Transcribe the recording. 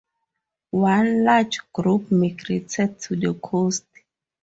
One large group migrated to the coast.